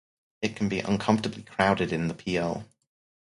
It can be uncomfortably crowded in the p.o.